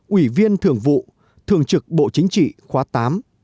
ủy viên thường vụ thường trực bộ chính trị khóa tám